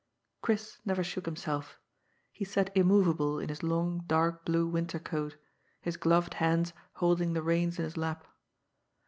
Chris never shook himself. He sat immovable in his long dark blue winter coat, his gloved hands holding the reins in his lap.